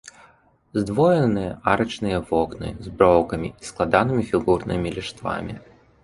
Здвоеныя арачныя вокны з броўкамі і складанымі фігурнымі ліштвамі.